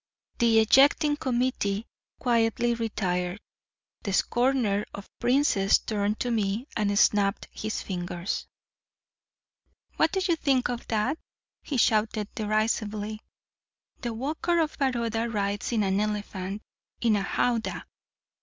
The ejecting committee quietly retired. The scorner of princes turned to me and snapped his fingers. "What do you think of that?" he shouted derisively. "The Gaekwar of Baroda rides in an elephant in a howdah!